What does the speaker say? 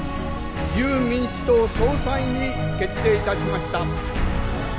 自由民主党総裁に決定いたしました。